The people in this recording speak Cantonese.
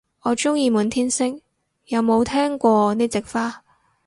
我鍾意滿天星，有冇聽過呢隻花